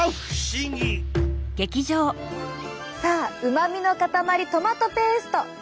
さあうまみの塊トマトペースト。